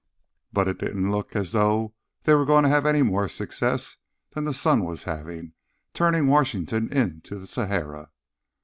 But it didn't look as though they were going to have any more success than the sun was having, turning Washington into the Sahara.